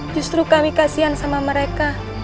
justru kami kasihan sama mereka